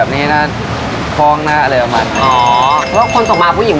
ก็มีครับแต่ไม่ใช่อยู่แถว